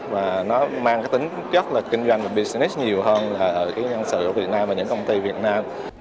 và nó mang tính chất là kinh doanh và business nhiều hơn là ở nhân sự ở việt nam và những công ty việt nam